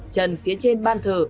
trần phía trên ban thờ